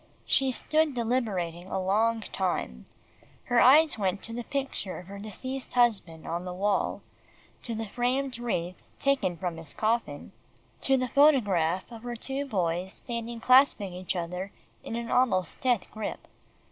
She stood deliberating a long time. Her eyes went to the picture of her deceased husband on the wall, to the framed wreath taken from his coffin, to the photograph of her two boys standing clasping each other in an almost death grip.